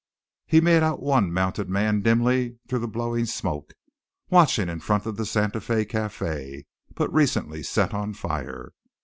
He made out one mounted man dimly through the blowing smoke, watching in front of the Santa Fé café, but recently set on fire.